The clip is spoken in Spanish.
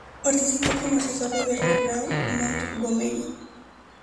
Participó como asesor de Bernard Law Montgomery.